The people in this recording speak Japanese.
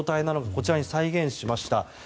こちらに再現しました。